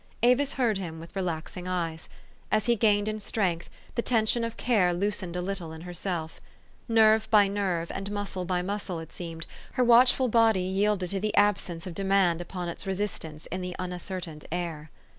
Avis heard him with relaxing eyes. As he gained in strength, the tension of care loosened a little in herself. Nerve by nerve, and 404 THE STORY OF AVIS. muscle by muscle, it seemed, her watchful body yielded to the absence of demand upon its resist ance in the unassertant air.